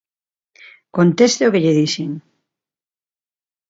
¡Conteste ao que lle dixen!